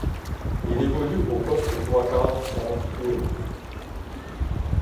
Il évolue au poste de trois-quarts centre ou ailier.